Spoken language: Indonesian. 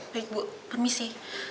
baik bu permisi